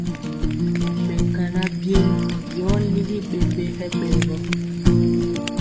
Mɛkana byen yɔ ligi ɓembe hɛ ɓɛ gɔ.